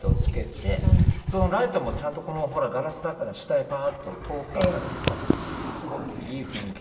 そのライトもちゃんとほらガラスだから下へパーッと透過されてさすごくいい雰囲気に。